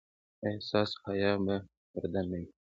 ایا ستاسو حیا به پرده نه وي؟